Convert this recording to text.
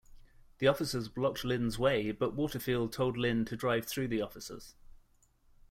The officers blocked Lynn's way, but Waterfield told Lynn to drive through the officers.